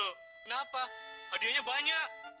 eh kenapa hadiahnya banyak